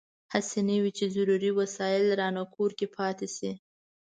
هسې نه وي چې ضروري وسایل رانه کور کې پاتې شي.